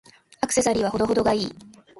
アクセサリーは程々が良い。